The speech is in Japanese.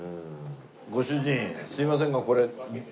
ご主人すいませんがこれ。